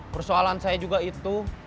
persoalan saya juga itu